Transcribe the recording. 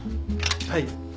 はい。